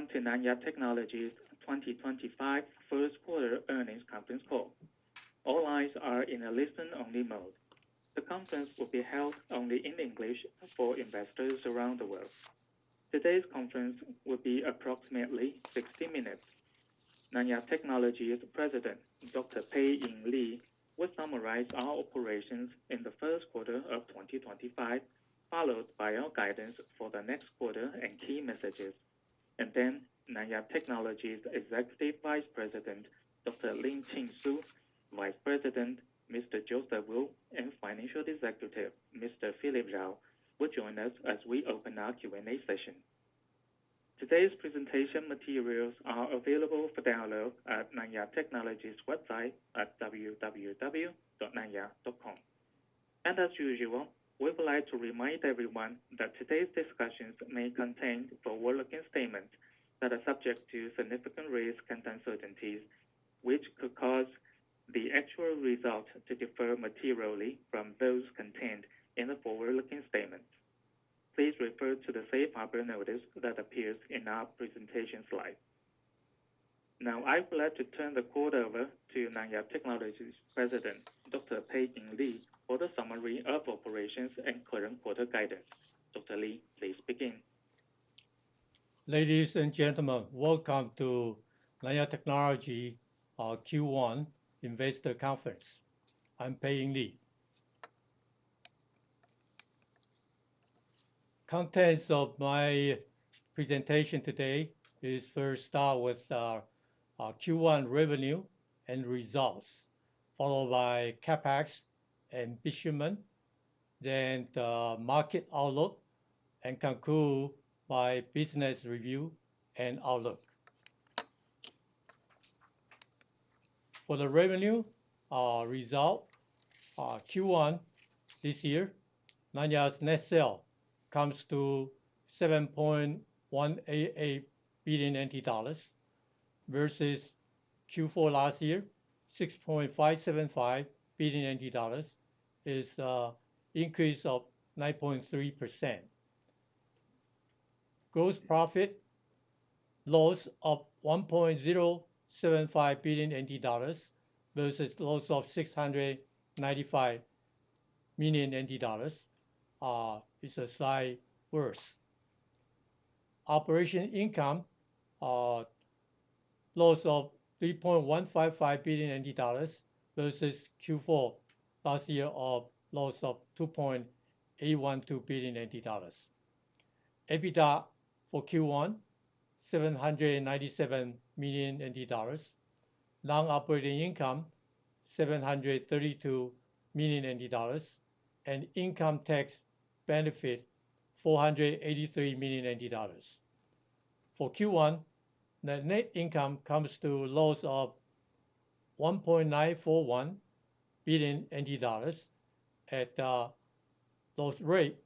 Welcome to Nanya Technology's 2025 First Quarter Earnings Conference Call. All lines are in a listen-only mode. The conference will be held only in English for investors around the world. Today's conference will be approximately 60 minutes. Nanya Technology's President, Dr. Pei-Ing Lee, will summarize our operations in the first quarter of 2025, followed by our guidance for the next quarter and key messages. Nanya Technology's Executive Vice President, Dr. Lin-Chin Su, Vice President, Mr. Joseph Wu, and Financial Executive, Mr. Philip Jao, will join us as we open our Q&A session. Today's presentation materials are available for download at Nanya Technology's website at www.nanya.com. As usual, we would like to remind everyone that today's discussions may contain forward-looking statements that are subject to significant risks and uncertainties, which could cause the actual result to differ materially from those contained in the forward-looking statements. Please refer to the safe harbor notice that appears in our presentation slide. Now, I would like to turn the call over to Nanya Technology's President, Dr. Pei-Ing Lee, for the summary of operations and current quarter guidance. Dr. Lee, please begin. Ladies and gentlemen, welcome to Nanya Technology Q1 Investor Conference. I'm Pei-Ing Lee. Contents of my presentation today is first start with Q1 revenue and results, followed by CapEx and investment, then the market outlook, and conclude by business review and outlook. For the revenue result, Q1 this year, Nanya's net sale comes to 7.188 billion NT dollars versus Q4 last year, 6.575 billion NT dollars is an increase of 9.3%. Gross profit loss of 1.075 billion NT dollars versus loss of 695 million NT dollars, it's a slight worse. Operation income loss of 3.155 billion dollars versus Q4 last year of loss of 2.812 billion dollars. EBITDA for Q1, 797 million dollars, non-operating income 732 million dollars, and income tax benefit 483 million. For Q1, the net income comes to loss of 1.941 billion NT dollars at the loss rate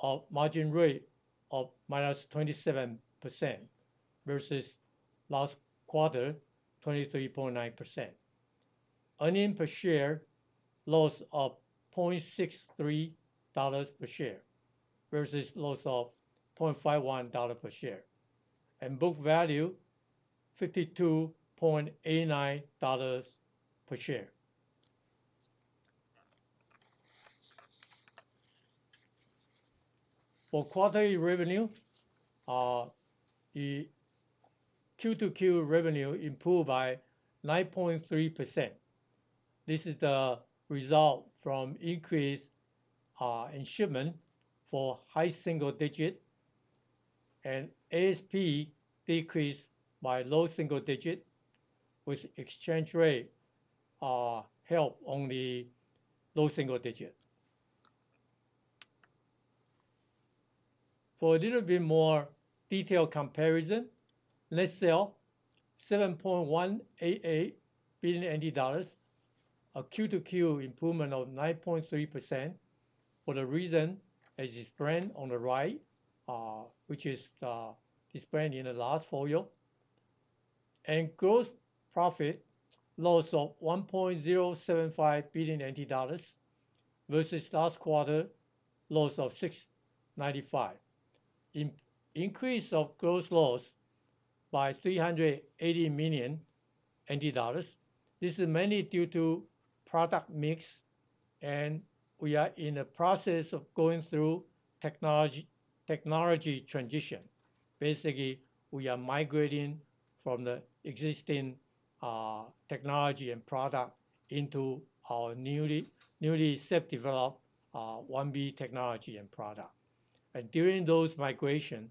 of margin rate of minus 27% versus last quarter, 23.9%. Earning per share loss of $0.63 per share versus loss of $0.51 per share, and book value 52.89 dollars per share. For quarterly revenue, Q2Q revenue improved by 9.3%. This is the result from increased shipment for high single digit, and ASP decreased by low single digit, with exchange rate help only low single digit. For a little bit more detailed comparison, net sale 7.188 billion NT dollars, Q2Q improvement of 9.3% for the reason as it's brand on the right, which is this brand in the last four year, and gross profit loss of 1.075 billion NT dollars versus last quarter loss of 695 million. Increase of gross loss by 380 million NT dollars. This is mainly due to product mix, and we are in the process of going through technology transition. Basically, we are migrating from the existing technology and product into our newly self-developed 1B technology and product. During those migrations,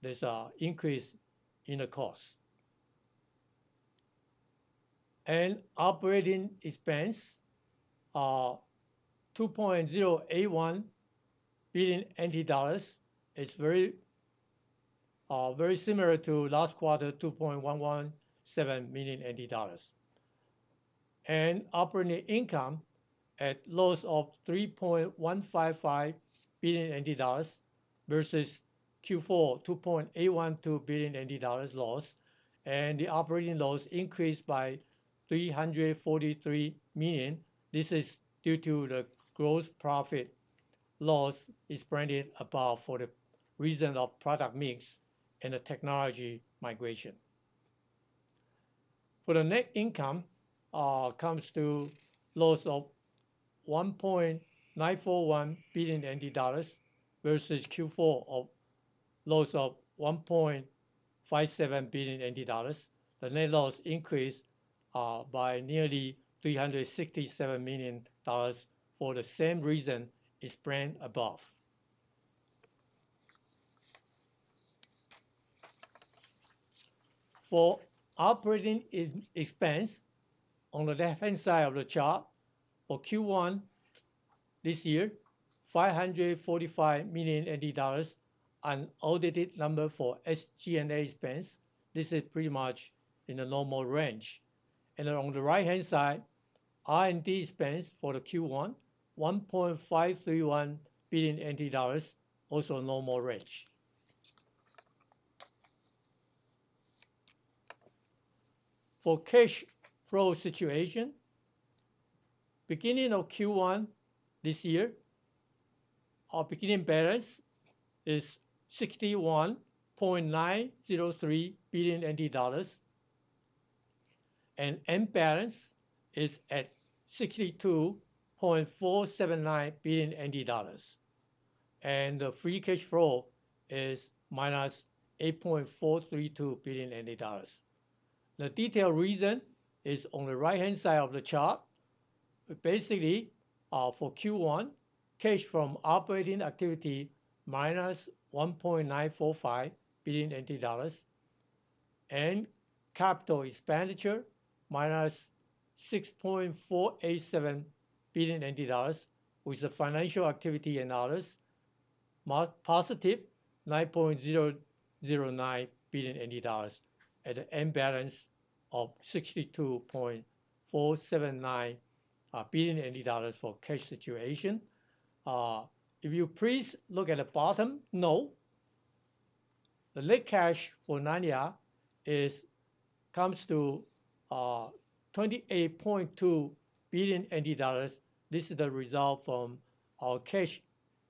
there's an increase in the cost. Operating expense, 2.081 billion NT dollars, is very similar to last quarter, 2.117 billion NT dollars. Operating income at loss of 3.155 billion NT dollars versus Q4, 2.812 billion NT dollars loss, and the operating loss increased by 343 million. This is due to the gross profit loss as printed above for the reason of product mix and the technology migration. For the net income, it comes to loss of 1.941 billion dollars versus Q4 of loss of 1.57 billion dollars. The net loss increased by nearly 367 million dollars for the same reason as printed above. For operating expense, on the left-hand side of the chart, for Q1 this year, 545 million is an audited number for SG&A expense. This is pretty much in the normal range. On the right-hand side, R&D expense for Q1, TWD 1.531 billion, also normal range. For cash flow situation, beginning of Q1 this year, our beginning balance is 61.903 billion NT dollars, and end balance is at 62.479 billion NT dollars. The free cash flow is -8.432 billion NT dollars. The detailed reason is on the right-hand side of the chart. Basically, for Q1, cash from operating activity -1.945 billion NT dollars, and capital expenditure -6.487 billion NT dollars, with the financial activity and others, positive 9.009 billion NT dollars at the end balance of 62.479 billion dollars for cash situation. If you please look at the bottom note, the net cash for Nanya comes to 28.2 billion NT dollars. This is the result from our cash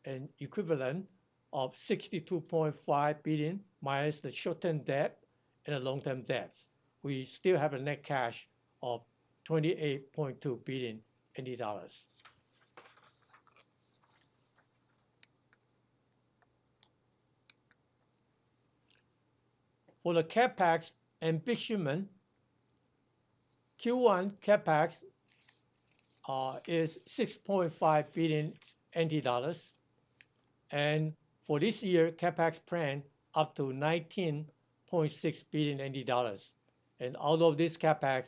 and equivalent of 62.5 billion minus the short-term debt and the long-term debts. We still have a net cash of 28.2 billion. For the CapEx and investment, Q1 CapEx is 6.5 billion NT dollars, and for this year, CapEx planned up to 19.6 billion NT dollars. Out of this CapEx,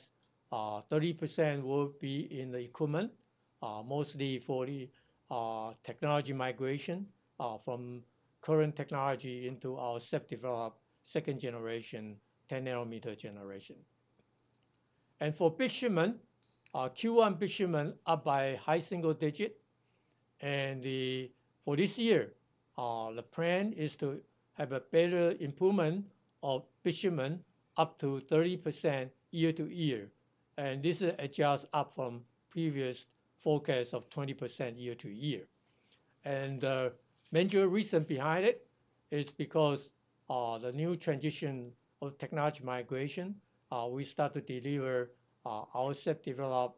30% will be in the equipment, mostly for the technology migration from current technology into our self-developed second generation 10nm generation. For investment, Q1 investment up by high single digit. For this year, the plan is to have a better improvement of investment up to 30% year-to-year. This adjusts up from previous forecast of 20% year-to-year. The major reason behind it is because the new transition of technology migration, we start to deliver our self-developed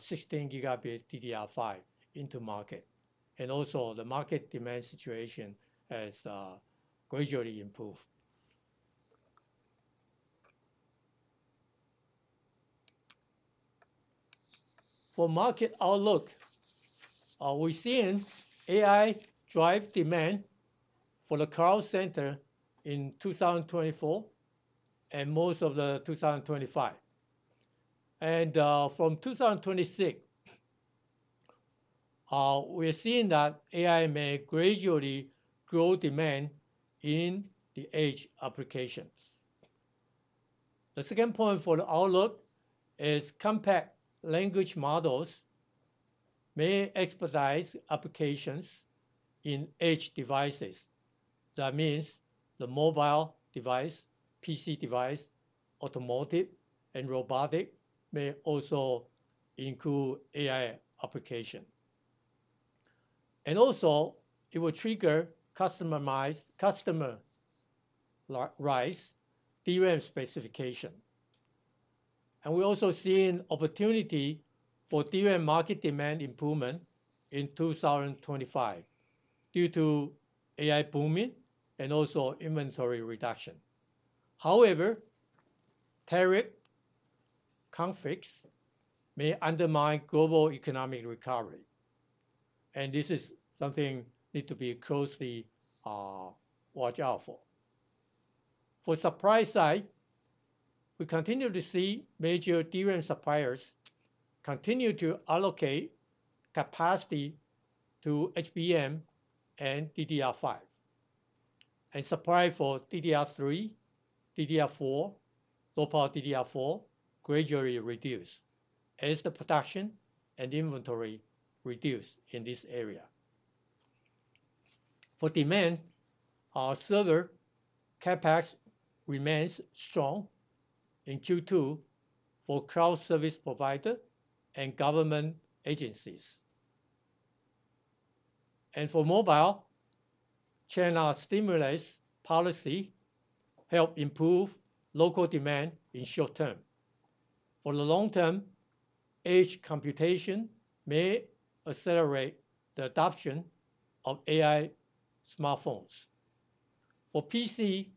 16 Gb DDR5 into market. Also, the market demand situation has gradually improved. For market outlook, we are seeing AI drive demand for the cloud center in 2024 and most of 2025. From 2026, we are seeing that AI may gradually grow demand in the edge applications. The second point for the outlook is compact language models may expedite applications in edge devices. That means the mobile device, PC device, automotive, and robotic may also include AI applications. It will trigger customer rights DRAM specification. We are also seeing opportunity for DRAM market demand improvement in 2025 due to AI booming and inventory reduction. However, tariff conflicts may undermine global economic recovery. This is something that needs to be closely watched out for. For supply side, we continue to see major DRAM suppliers continue to allocate capacity to HBM and DDR5. Supply for DDR3, DDR4, low-power DDR4 gradually reduced as the production and inventory reduced in this area. For demand, our server CapEx remains strong in Q2 for cloud service providers and government agencies. For mobile, China's stimulus policy helped improve local demand in short term. For the long term, edge computation may accelerate the adoption of AI smartphones. For PC,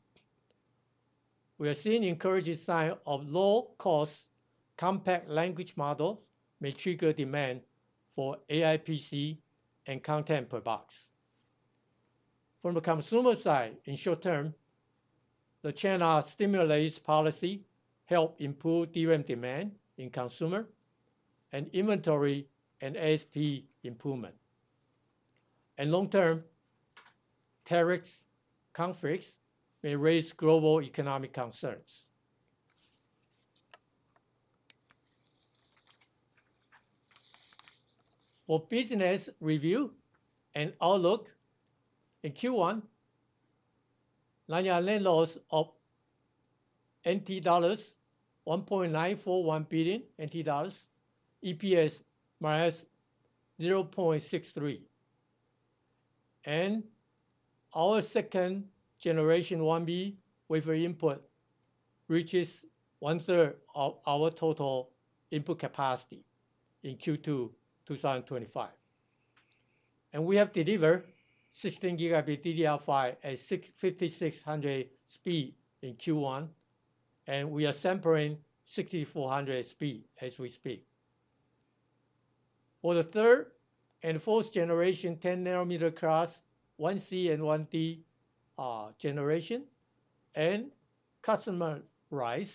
we are seeing encouraging signs of low-cost compact language models may trigger demand for AI PC and content per box. From the consumer side, in short term, the China stimulus policy helped improve DRAM demand in consumer and inventory and ASP improvement. Long term, tariff conflicts may raise global economic concerns. For business review and outlook in Q1, Nanya net loss of 1.941 billion NT dollars, EPS -0.63. Our second generation 1B wafer input reaches 1/3 of our total input capacity in Q2 2025. We have delivered 16 Gb DDR5 at 5600 speed in Q1, and we are sampling 6400 speed as we speak. For the third and fourth generation 10nm-class, 1C and 1D generation, and customer rights,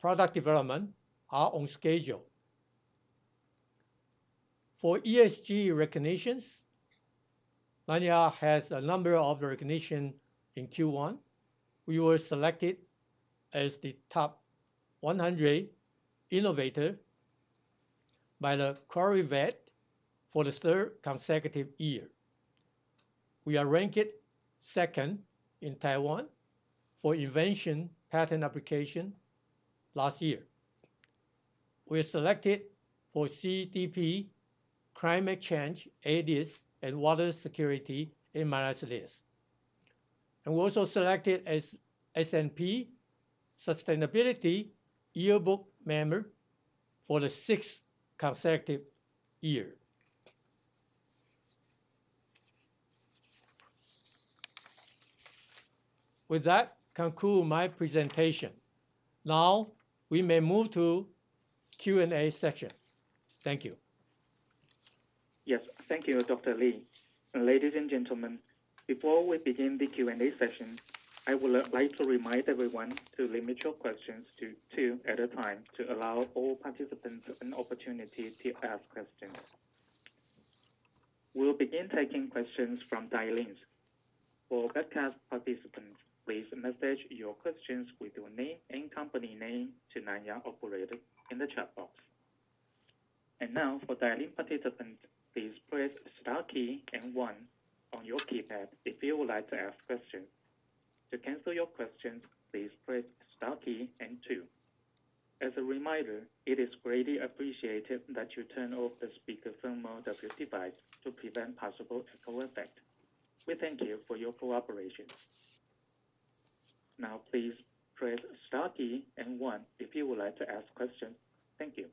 product development are on schedule. For ESG recognitions, Nanya has a number of recognitions in Q1. We were selected as the top 100 innovators by the Clarivate for the third consecutive year. We are ranked second in Taiwan for invention patent application last year. We are selected for CDP, Climate Change A List, and Water Security A List. We are also selected as S&P Sustainability Yearbook member for the sixth consecutive year. With that, conclude my presentation. Now, we may move to Q&A session. Thank you. Yes, thank you, Dr. Lee. Ladies and gentlemen, before we begin the Q&A session, I would like to remind everyone to limit your questions to two at a time to allow all participants an opportunity to ask questions. We'll begin taking questions from dial-ins. For webcast participants, please message your questions with your name and company name to Nanya operator in the chat box. Now, for dial-in participants, please press the star key and one on your keypad if you would like to ask questions. To cancel your questions, please press the star key and two. As a reminder, it is greatly appreciated that you turn off the speaker thermal device to prevent possible echo effect. We thank you for your cooperation. Please press the star key and one if you would like to ask questions. Thank you.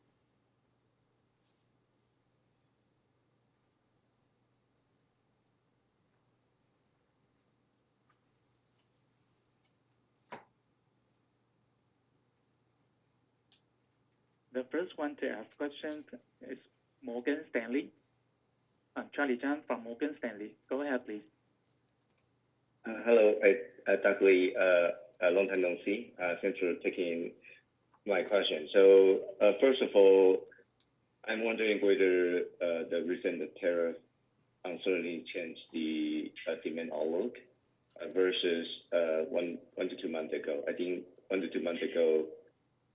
The first one to ask questions is Morgan Stanley. Charlie Chan from Morgan Stanley. Go ahead, please. Hello. I'm Dr. Lee, a long time no see. Thanks for taking my question. First of all, I'm wondering whether the recent tariff uncertainty changed the demand outlook versus one to two months ago. I think one to two months ago,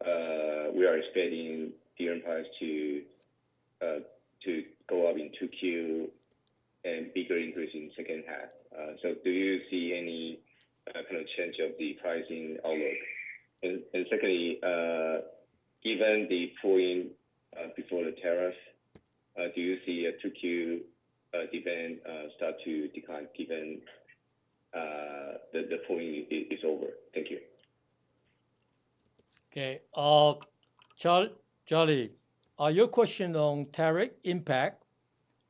we were expecting DRAM price to go up in 2Q and a bigger increase in the second half. Do you see any kind of change of the pricing outlook? Secondly, given the pooling before the tariff, do you see 2Q demand start to decline given the pooling is over? Thank you. Okay. Charlie, are your questions on tariff impact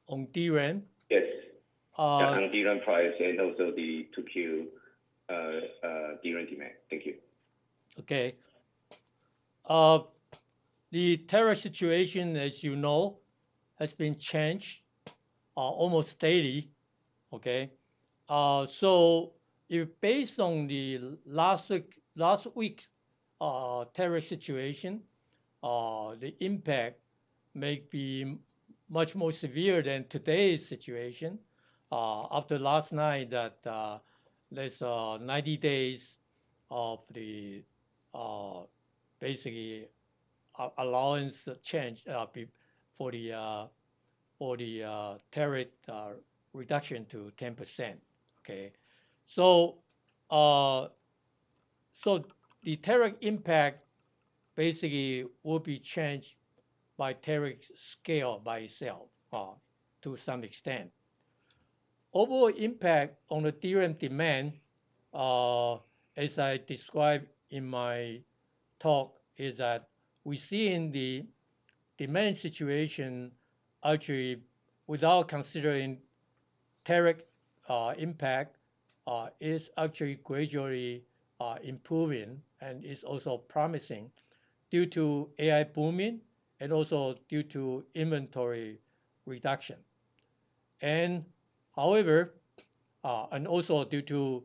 on DRAM? Yes. On DRAM price and also the 2Q DRAM demand. Thank you. Okay. The tariff situation, as you know, has been changed almost daily. Okay? Based on last week's tariff situation, the impact may be much more severe than today's situation after last night that there is 90 days of the basically allowance change for the tariff reduction to 10%. The tariff impact basically will be changed by tariff scale by itself to some extent. Overall impact on the DRAM demand, as I described in my talk, is that we're seeing the demand situation actually, without considering tariff impact, is actually gradually improving and is also promising due to AI booming and also due to inventory reduction. Also, due to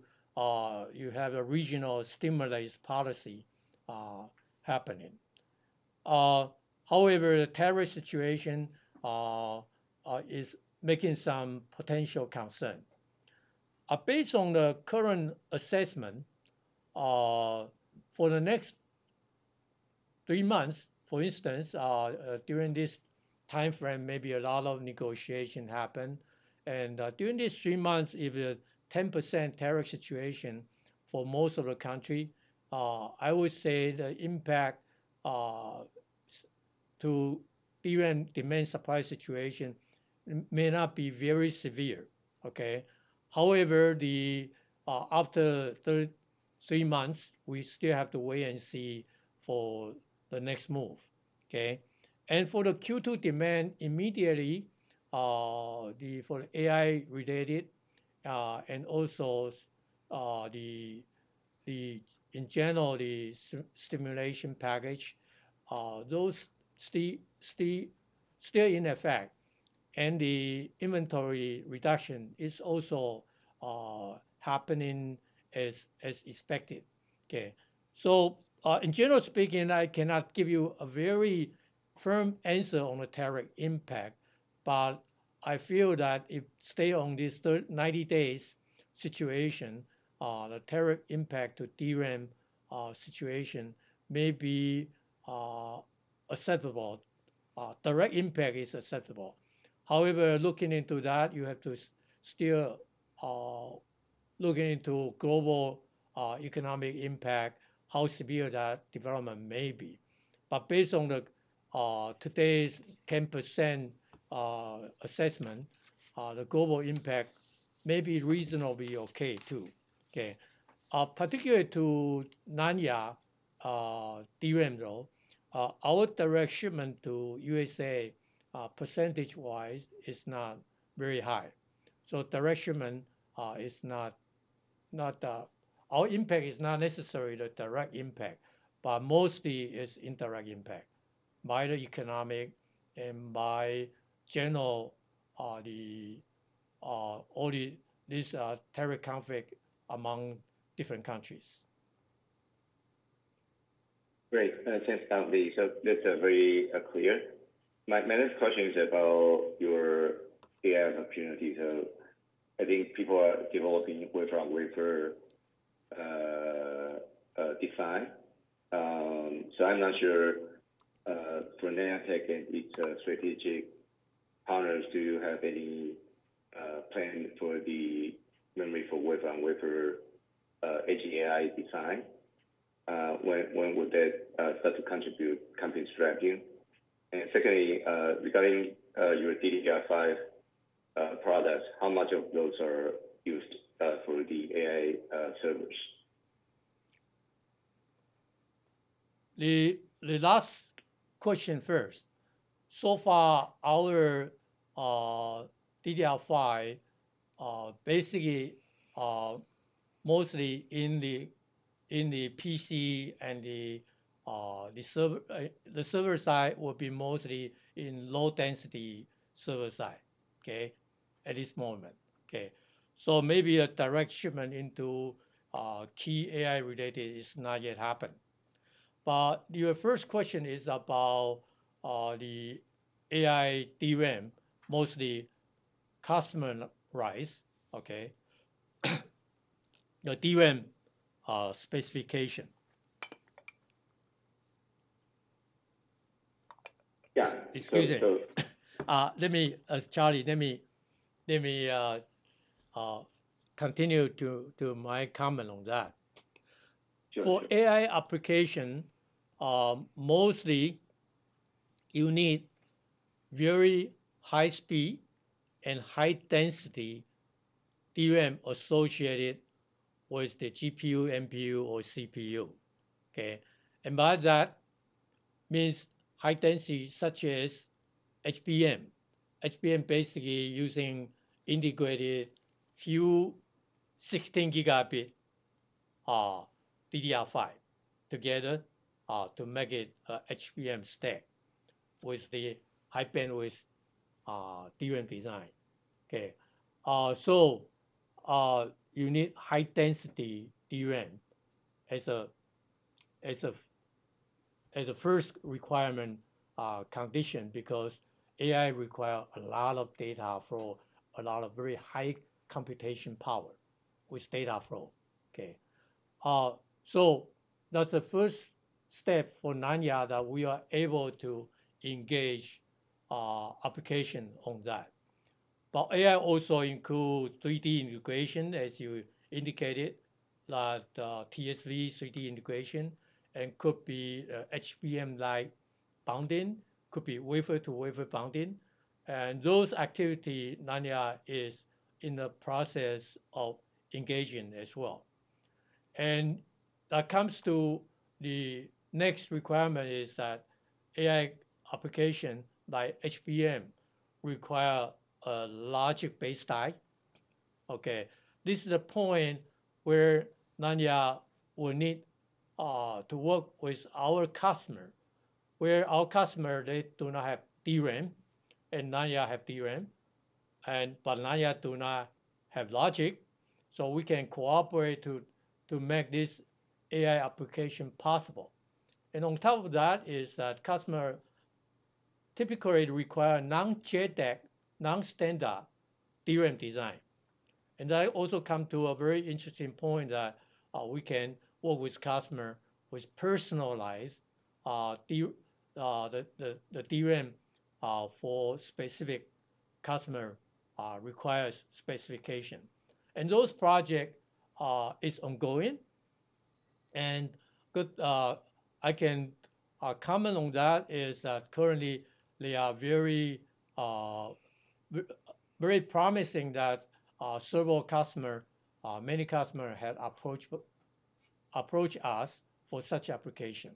you have a regional stimulus policy happening. However, the tariff situation is making some potential concern. Based on the current assessment, for the next three months, for instance, during this timeframe, maybe a lot of negotiation happens. During these three months, if the 10% tariff situation for most of the country, I would say the impact to DRAM demand supply situation may not be very severe. However, after three months, we still have to wait and see for the next move. For the Q2 demand, immediately for the AI-related and also in general, the stimulation package, those still in effect. The inventory reduction is also happening as expected. In general speaking, I cannot give you a very firm answer on the tariff impact, but I feel that if stay on this 90 days situation, the tariff impact to DRAM situation may be acceptable. Direct impact is acceptable. However, looking into that, you have to still look into global economic impact, how severe that development may be. Based on today's 10% assessment, the global impact may be reasonably okay too. Particularly to Nanya DRAM, though, our direct shipment to USA percentage-wise is not very high. Direct shipment is not our impact is not necessarily the direct impact, but mostly is indirect impact by the economic and by general these tariff conflicts among different countries. Great. Thanks, Dr. Lee. That's very clear. My next question is about your AI opportunity. I think people are developing wafer on wafer design. I'm not sure for Nanya Tech and its strategic partners, do you have any plan for the memory for wafer on wafer edge AI design? When would that start to contribute company strategy? Secondly, regarding your DDR5 products, how much of those are used for the AI servers? The last question first. So far, our DDR5 basically mostly in the PC and the server side will be mostly in low-density server side at this moment. Maybe a direct shipment into key AI-related is not yet happened. Your first question is about the AI DRAM, mostly customer rights, your DRAM specification. Excuse me. Charlie, let me continue to my comment on that. For AI application, mostly you need very high-speed and high-density DRAM associated with the GPU, NPU, or CPU. Okay? By that, it means high-density such as HBM. HBM basically using integrated few 16 Gb DDR5 together to make it an HBM stack with the high-bandwidth DRAM design. Okay? You need high-density DRAM as a first requirement condition because AI requires a lot of data flow, a lot of very high computation power with data flow. Okay? That is the first step for Nanya that we are able to engage application on that. AI also includes 3D integration, as you indicated, like TSV 3D integration, and could be HBM-like bonding, could be wafer-to-wafer bonding. Those activities, Nanya is in the process of engaging as well. That comes to the next requirement is that AI application like HBM require a logic base type. Okay? This is the point where Nanya will need to work with our customer, where our customer, they do not have DRAM, and Nanya have DRAM, but Nanya do not have logic. We can cooperate to make this AI application possible. On top of that is that customer typically require non-JEDEC, non-standard DRAM design. That also comes to a very interesting point that we can work with customer with personalized DRAM for specific customer requires specification. Those projects are ongoing. I can comment on that is that currently, they are very promising that several customers, many customers have approached us for such application.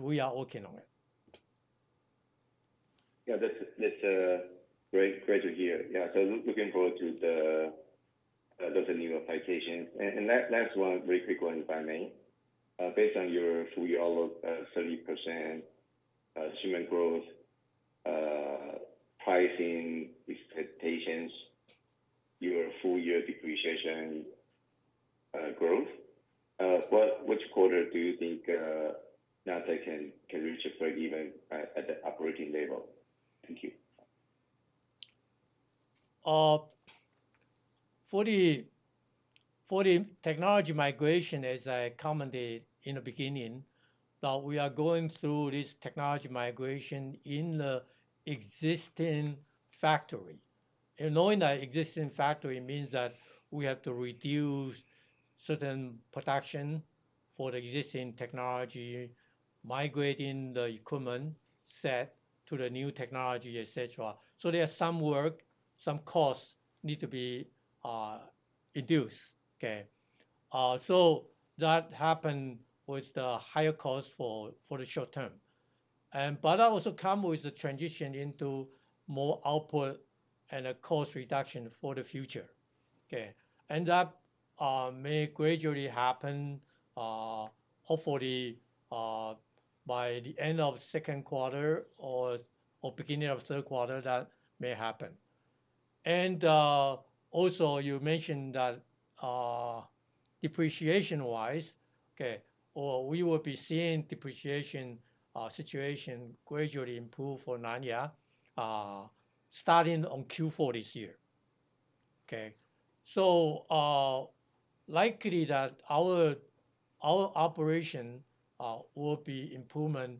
We are working on it. Yeah, that's great to hear. Yeah. Looking forward to those new applications. Last one, very quick one if I may. Based on your full year outlook, 30% shipment growth, pricing expectations, your full year depreciation growth, what quarter do you think Nanya Technology can reach a break even at the operating level? Thank you. For the technology migration, as I commented in the beginning, we are going through this technology migration in the existing factory. Knowing the existing factory means that we have to reduce certain production for the existing technology, migrating the equipment set to the new technology, etc. There is some work, some costs need to be induced. That happened with the higher cost for the short term. That also comes with the transition into more output and a cost reduction for the future. That may gradually happen, hopefully, by the end of second quarter or beginning of third quarter, that may happen. You mentioned that depreciation-wise, we will be seeing depreciation situation gradually improve for Nanya starting on Q4 this year. We will likely see our operation improving,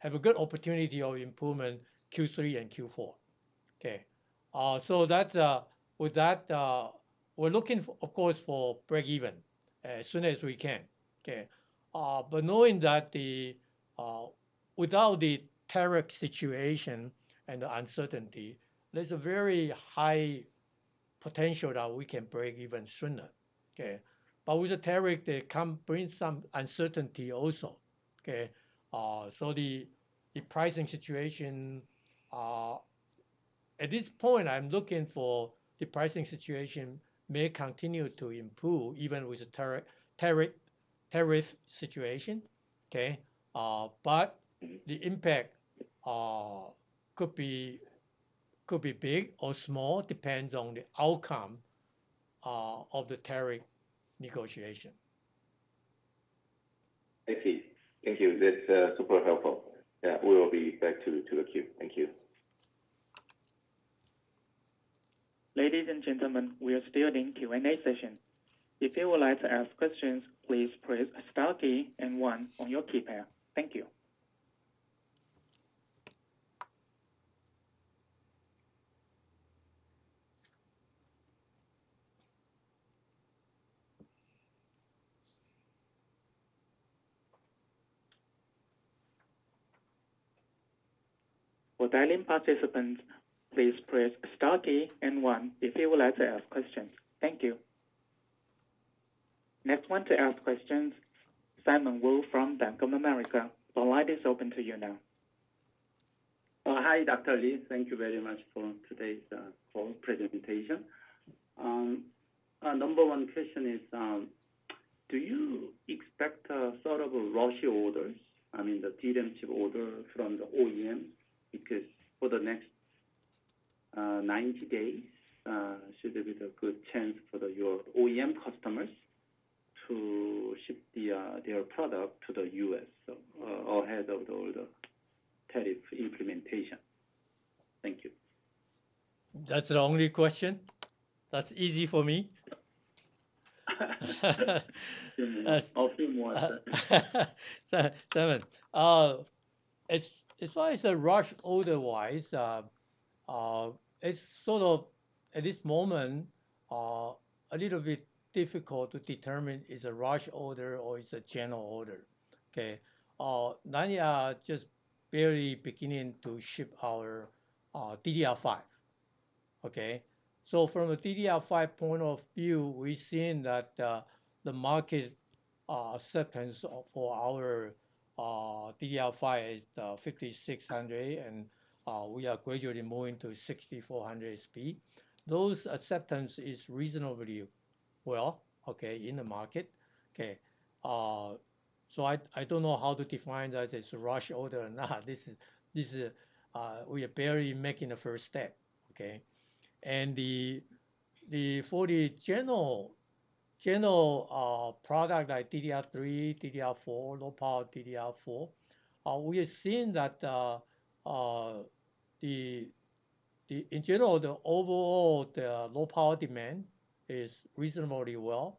have a good opportunity of improvement Q3 and Q4. With that, we're looking, of course, for break even as soon as we can. Knowing that without the tariff situation and the uncertainty, there's a very high potential that we can break even sooner. With the tariff, they bring some uncertainty also. The pricing situation, at this point, I'm looking for the pricing situation may continue to improve even with the tariff situation. The impact could be big or small, depends on the outcome of the tariff negotiation. Thank you. Thank you. That's super helpful. Yeah. We will be back to the queue. Thank you. Ladies and gentlemen, we are still in Q&A session. If you would like to ask questions, please press star key and one on your keypad. Thank you. For dial-in participants, please press star key and one if you would like to ask questions. Thank you. Next one to ask questions, Simon Woo from Bank of America. The line is open to you now. Hi, Dr. Lee. Thank you very much for today's call presentation. Number one question is, do you expect sort of a rush orders, I mean, the DRAM chip order from the OEM? Because for the next 90 days, should there be a good chance for your OEM customers to ship their product to the US ahead of the order tariff implementation? Thank you. That's the only question. That's easy for me. A few more. Simon, as far as a rush order-wise, it's sort of, at this moment, a little bit difficult to determine it's a rush order or it's a general order. Okay? Nanya just barely beginning to ship our DDR5. Okay? From the DDR5 point of view, we've seen that the market acceptance for our DDR5 is 5600, and we are gradually moving to 6400 speed. Those acceptances are reasonably well, okay, in the market. Okay? I don't know how to define that as a rush order or not. We are barely making the first step. Okay? For the general product like DDR3, DDR4, low-power DDR4, we have seen that, in general, the overall low-power demand is reasonably well.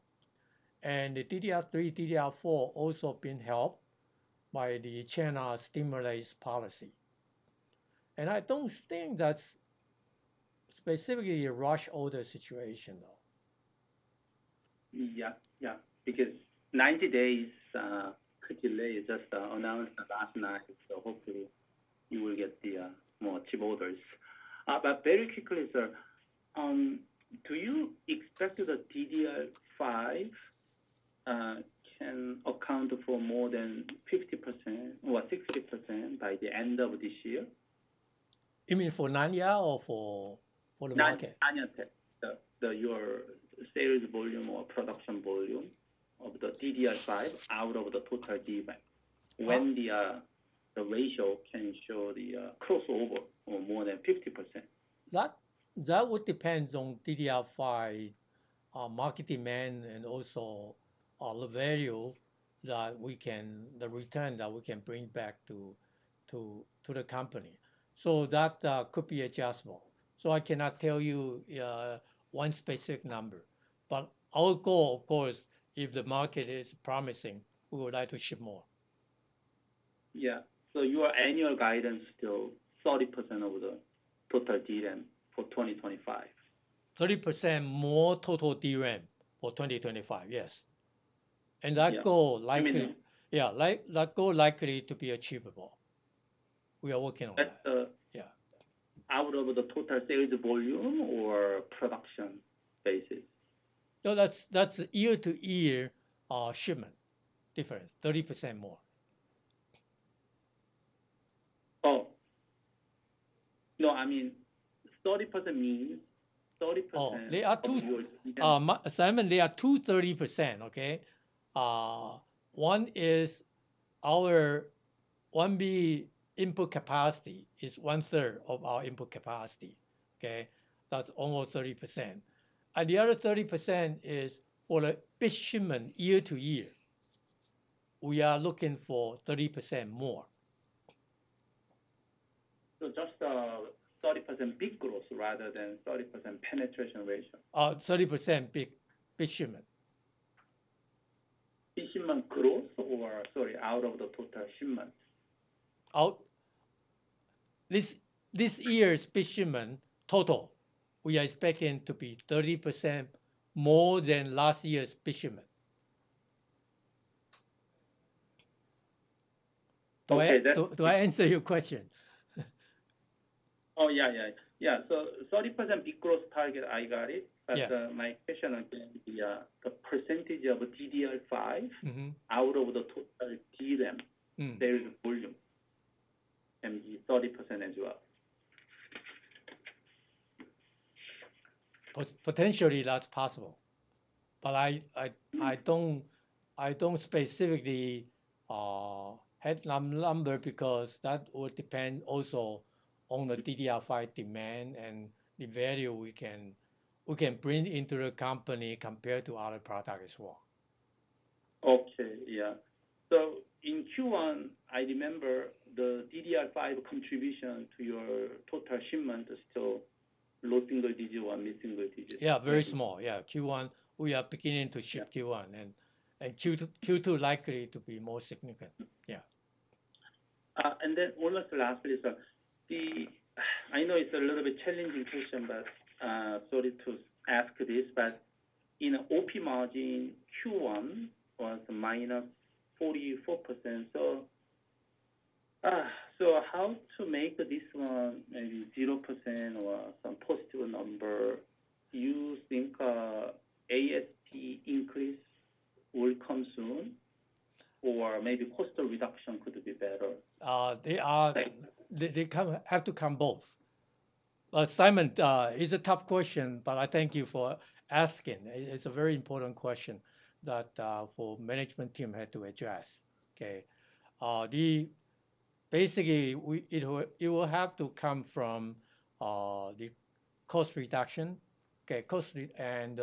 The DDR3, DDR4 also have been helped by the China stimulus policy. I don't think that's specifically a rush order situation, though. Yeah. Yeah. Because 90 days could delay just announced last night. Hopefully, you will get more chip orders. Very quickly, sir, do you expect that DDR5 can account for more than 50% or 60% by the end of this year? You mean for Nanya or for the market? No, Nanya Technology, your sales volume or production volume of the DDR5 out of the total DRAM, when the ratio can show the crossover of more than 50%. That would depend on DDR5 market demand and also the value that we can, the return that we can bring back to the company. That could be adjustable. I cannot tell you one specific number. Our goal, of course, if the market is promising, we would like to ship more. Yeah. Your annual guidance is still 30% of the total DRAM for 2025. 30% more total DRAM for 2025, yes. That goal likely to be achievable. We are working on that. Out of the total sales volume or production basis? No, that's year-to-year shipment difference, 30% more. Oh. No, I mean, 30% means 30% of your DRAM. Oh, Simon, there are two 30%, okay? One is our 1B input capacity is 1/3 of our input capacity. That's almost 30%. The other 30% is for the big shipment year-to-year. We are looking for 30% more. Just 30% big growth rather than 30% penetration ratio. 30% big shipment. Big shipment growth or, sorry, out of the total shipment? This year's big shipment total, we are expecting to be 30% more than last year's big shipment. Do I answer your question? Oh, yeah, yeah. 30% big growth target, I got it. But my question is the percentage of DDR5 out of the total DRAM sales volume, and the 30% as well. Potentially, that's possible. I don't specifically have the number because that would depend also on the DDR5 demand and the value we can bring into the company compared to other products as well. Okay. Yeah. In Q1, I remember the DDR5 contribution to your total shipment is still low single digit or mid-single digit. Yeah, very small. Q1, we are beginning to ship Q1. Q2 likely to be more significant. Yeah. One last question. I know it's a little bit challenging question, but sorry to ask this, but in OP margin, Q1 was minus 44%. How to make this one maybe 0% or some positive number? Do you think ASP increase will come soon? Or maybe cost reduction could be better? They have to come both. Simon, it's a tough question, but I thank you for asking. It's a very important question that for management team had to address. Okay? Basically, it will have to come from the cost reduction. Okay? And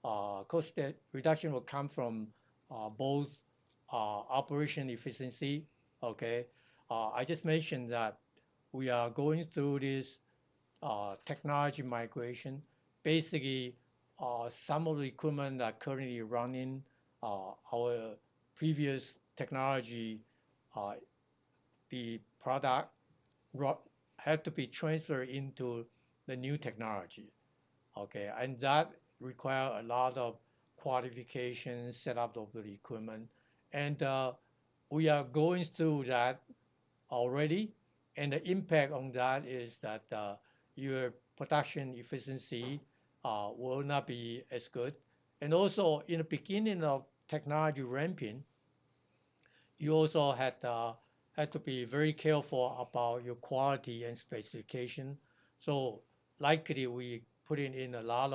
cost reduction will come from both operation efficiency. Okay? I just mentioned that we are going through this technology migration. Basically, some of the equipment that are currently running our previous technology, the product had to be transferred into the new technology. Okay? That requires a lot of qualification, setup of the equipment. We are going through that already. The impact on that is that your production efficiency will not be as good. Also, in the beginning of technology ramping, you also had to be very careful about your quality and specification. Likely, we put in a lot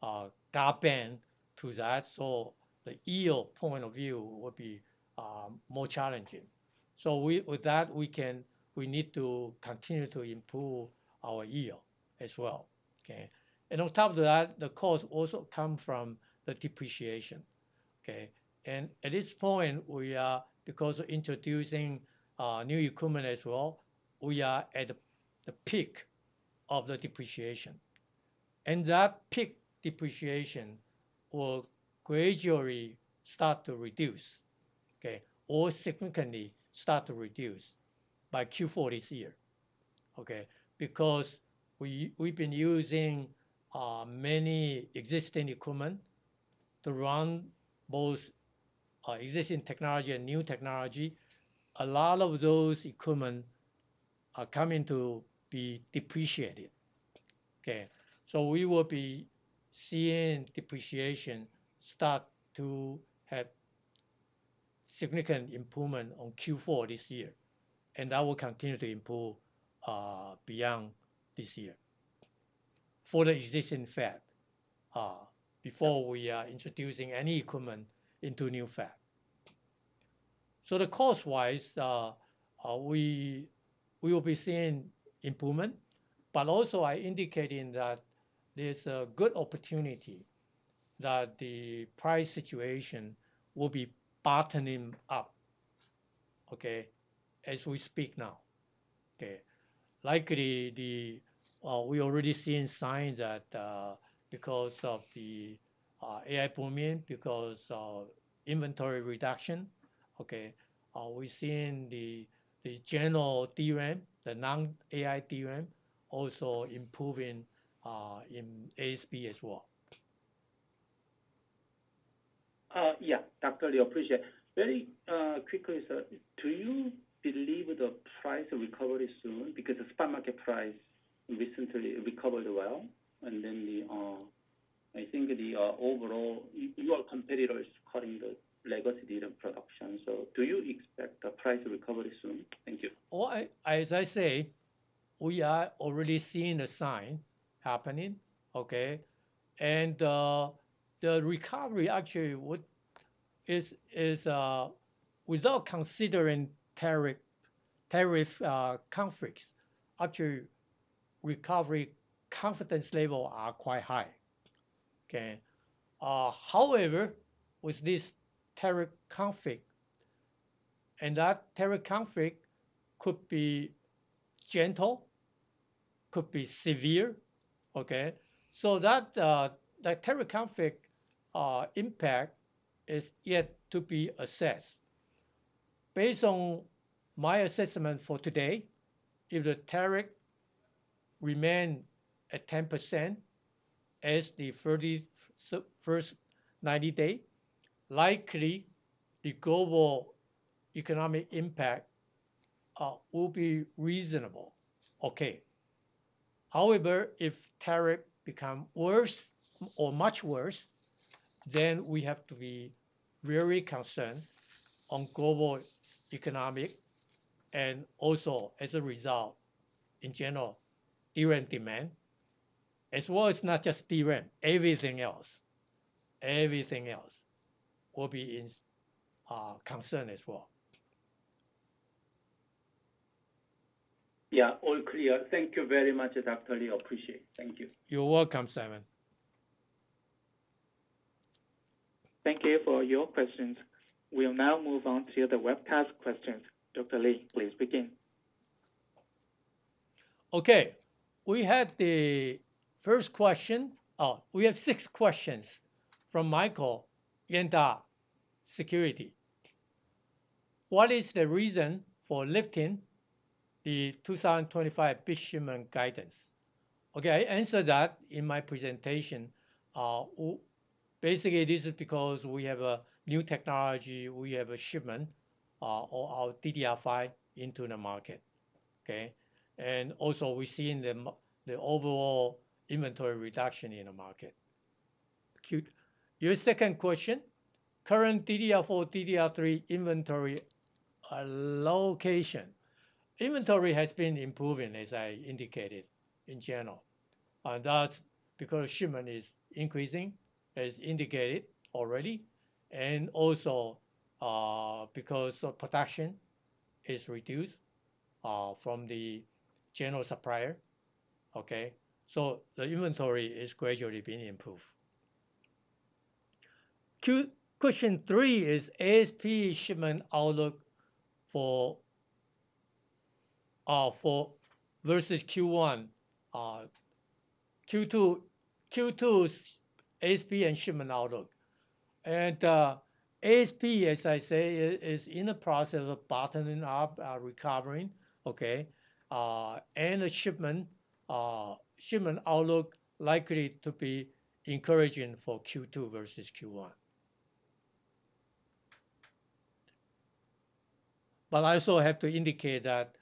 of gap end to that. The yield point of view would be more challenging. With that, we need to continue to improve our yield as well. Okay? On top of that, the cost also comes from the depreciation. Okay? At this point, because of introducing new equipment as well, we are at the peak of the depreciation. That peak depreciation will gradually start to reduce, okay, or significantly start to reduce by Q4 this year. Okay? We have been using many existing equipment to run both existing technology and new technology. A lot of those equipment are coming to be depreciated. Okay? We will be seeing depreciation start to have significant improvement on Q4 this year. That will continue to improve beyond this year for the existing fab before we are introducing any equipment into new fab. Cost-wise, we will be seeing improvement. I indicated that there's a good opportunity that the price situation will be bottoming up, as we speak now. Likely, we are already seeing signs that because of the AI booming, because of inventory reduction, we're seeing the general DRAM, the non-AI DRAM, also improving in ASP as well. I totally appreciate. Very quickly, sir, do you believe the price recovery is soon? Because the spot market price recently recovered well. I think the overall, your competitors are cutting the legacy DRAM production. Do you expect the price recovery soon? Thank you. As I say, we are already seeing the sign happening. The recovery actually is, without considering tariff conflicts, actually, recovery confidence levels are quite high. However, with this tariff conflict, and that tariff conflict could be gentle, could be severe. That tariff conflict impact is yet to be assessed. Based on my assessment for today, if the tariff remains at 10% as the 31st 90 day, likely the global economic impact will be reasonable. Okay? However, if tariffs become worse or much worse, then we have to be very concerned on global economic and also, as a result, in general, DRAM demand, as well as not just DRAM, everything else. Everything else will be in concern as well. Yeah. All clear. Thank you very much, Dr. Lee. I appreciate it. Thank you. You're welcome, Simon. Thank you for your questions. We'll now move on to the webcast questions. Dr. Lee, please begin. Okay. We had the first question. Oh, we have six questions from Michael, Yuanta Securities. What is the reason for lifting the 2025 big shipment guidance? Okay. I answered that in my presentation. Basically, this is because we have a new technology. We have a shipment of our DDR5 into the market. Okay? Also, we're seeing the overall inventory reduction in the market. Your second question, current DDR4, DDR3 inventory allocation. Inventory has been improving, as I indicated, in general. That's because shipment is increasing, as indicated already, and also because production is reduced from the general supplier. Okay? The inventory is gradually being improved. Question three is ASP shipment outlook versus Q1. Q2, ASP and shipment outlook. ASP, as I say, is in the process of bottoming up, recovering. Okay? The shipment outlook likely to be encouraging for Q2 versus Q1. I also have to indicate that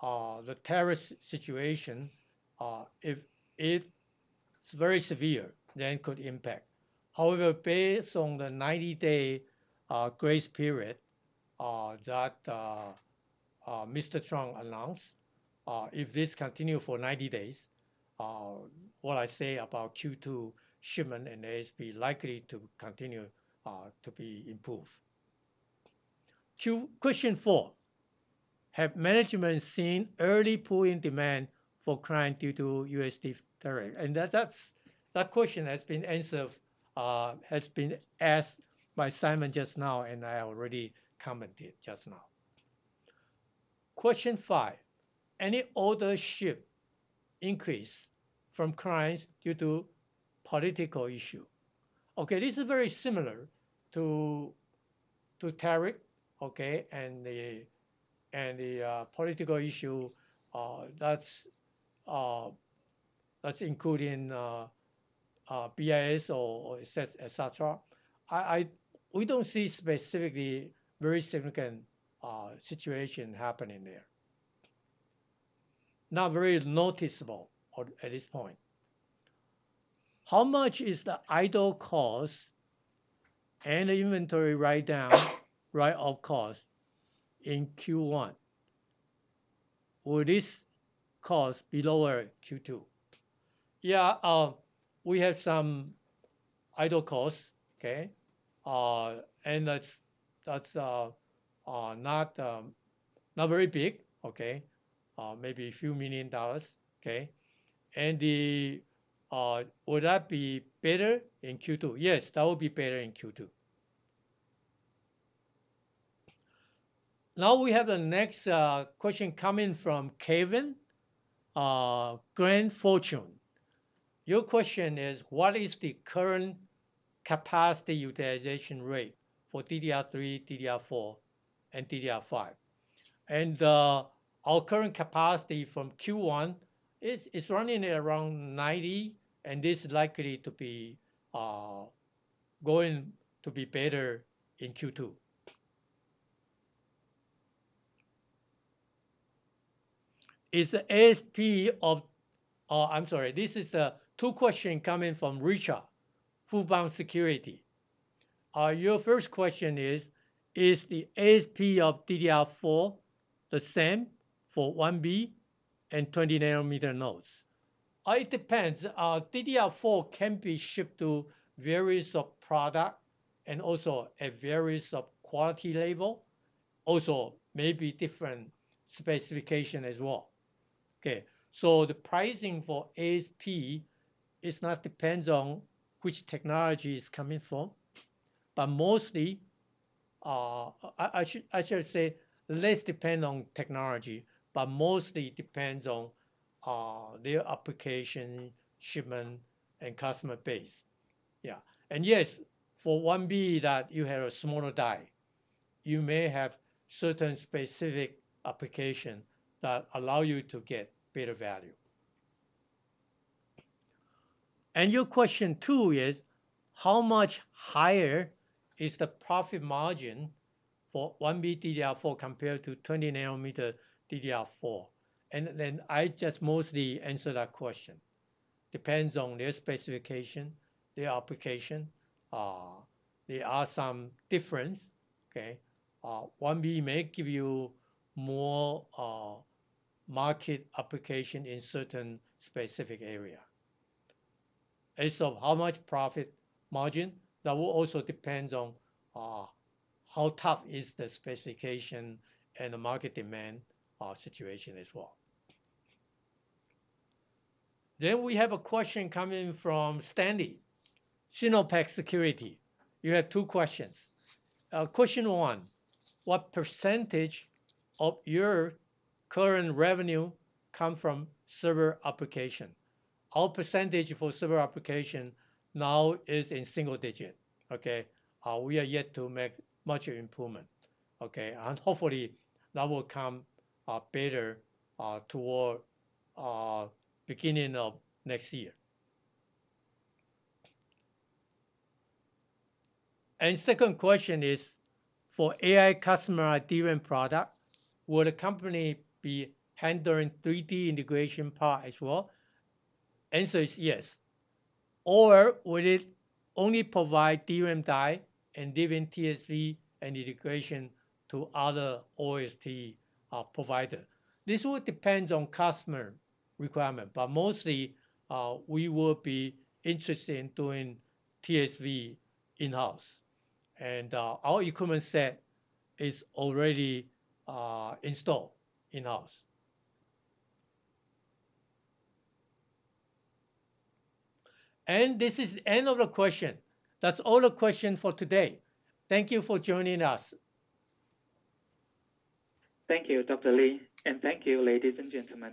the tariff situation, if it's very severe, then it could impact. However, based on the 90-day grace period that Mr. Trump announced, if this continues for 90 days, what I say about Q2 shipment and ASP likely to continue to be improved. Question four, have management seen early pooling demand for client due to USD tariff? That question has been answered, has been asked by Simon just now, and I already commented just now. Question five, any older ship increase from clients due to political issue? This is very similar to tariff, and the political issue, that's including BIS or etc. We do not see specifically very significant situation happening there. Not very noticeable at this point. How much is the idle cost and the inventory write-down, write-off cost in Q1? Will this cost be lower Q2? Yeah. We have some idle costs. That is not very big. Maybe a few million dollars. Would that be better in Q2? Yes, that would be better in Q2. Now we have the next question coming from Kevin, Grand Fortune. Your question is, what is the current capacity utilization rate for DDR3, DDR4, and DDR5? Our current capacity from Q1 is running around 90, and this is likely to be going to be better in Q2. Is the ASP of—I'm sorry. This is two questions coming from Richard, Fubon Securities. Your first question is, is the ASP of DDR4 the same for 1B and 20nm nodes? It depends. DDR4 can be shipped to various products and also at various quality levels. Also, maybe different specifications as well. Okay? The pricing for ASP does not depend on which technology it's coming from. Mostly, I should say, less depend on technology, but mostly depends on their application, shipment, and customer base. Yeah. Yes, for 1B, you have a smaller die. You may have certain specific applications that allow you to get better value. Your question two is, how much higher is the profit margin for 1B DDR4 compared to 20nm DDR4? I just mostly answered that question. Depends on their specification, their application. There are some differences. 1B may give you more market application in certain specific areas. As of how much profit margin, that will also depend on how tough is the specification and the market demand situation as well. We have a question coming from Stanley, SinoPac Securities. You have two questions. Question one, what percentage of your current revenue comes from server application? Our percentage for server application now is in single digit. We are yet to make much improvement. Hopefully, that will come better toward the beginning of next year. The second question is, for AI customer DRAM product, will the company be handling 3D integration part as well? The answer is yes. Or will it only provide DRAM die and leave TSV and integration to other OSAT provider? This will depend on customer requirement. Mostly, we will be interested in doing TSV in-house. Our equipment set is already installed in-house. This is the end of the question. That is all the questions for today. Thank you for joining us. Thank you, Dr. Lee. Thank you, ladies and gentlemen.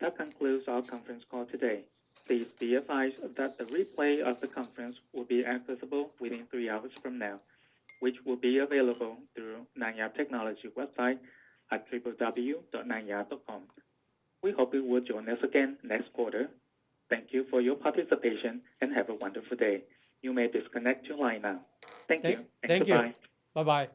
That concludes our conference call today. Please be advised that the replay of the conference will be accessible within three hours from now, which will be available through Nanya Technology website at www.nanya.com. We hope you will join us again next quarter. Thank you for your participation and have a wonderful day. You may disconnect your line now. Thank you. Thank you. Bye. Thank you. Bye-bye.